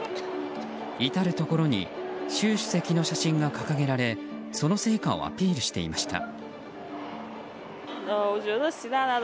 至るところに習主席の写真が掲げられその成果をアピールしていました。